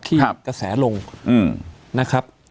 กระแสลงนะครับ